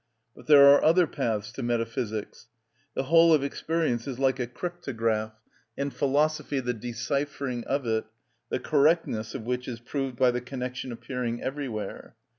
But there are other paths to metaphysics. The whole of experience is like a cryptograph, and philosophy the deciphering of it, the correctness of which is proved by the connection appearing everywhere.